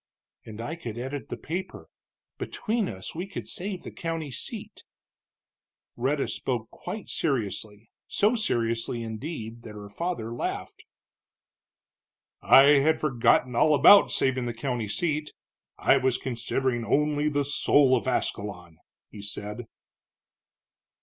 "And I could edit the paper. Between us we could save the county seat." Rhetta spoke quite seriously, so seriously, indeed, that her father laughed. "I had forgotten all about saving the county seat I was considering only the soul of Ascalon," he said.